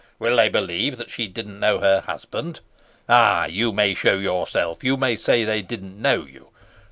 Will they believe that she didn't know her husband? Ay, you may show yourself, you may say they didn't know you.